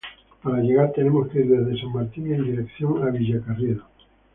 Para llegar, tenemos que ir desde San Martín en dirección a Villacarriedo.